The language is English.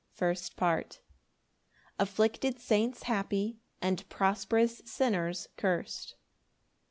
First Part. C. M. Afflicted saints happy, and prosperous sinners cursed.